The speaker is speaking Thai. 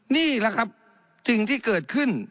นี่แหละครับสิ่งที่เกิดขึ้น